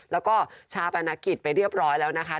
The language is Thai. แล้วก็ชาปนกิจไปเรียบร้อยแล้วนะคะ